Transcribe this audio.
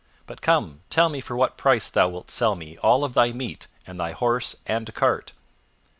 But come, tell me for what price thou wilt sell me all of thy meat and thy horse and cart."